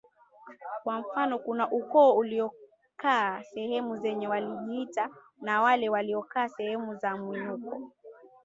Kwa mfano kuna ukoo uliokaa sehemu zenye walijiita na wale waliokaa sehemu za mwinuko